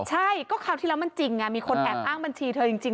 ใช่ก็คราวที่แล้วมันจริงไงมีคนแอบอ้างบัญชีเธอจริง